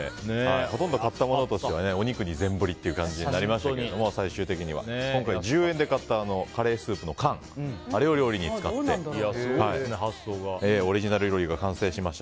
ほとんど買ったものとしてはお肉に全振りという感じになりましたけど最終的には今回１０円で買ったカレースープの缶あれを料理に使ってオリジナル料理が完成しました。